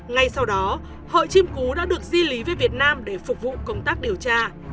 ngay sau đó họ chiêm cú đã được di lý về việt nam để phục vụ công tác điều tra